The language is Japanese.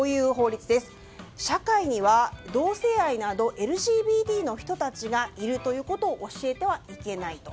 具体的には社会には同性愛などＬＧＢＴの人たちがいることを教えてはいけないと。